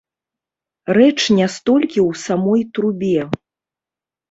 Рэч не столькі ў самой трубе.